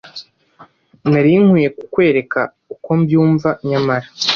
Nari nkwiye kukwereka uko mbyumva nyamara